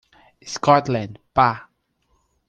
Scotland, Pa.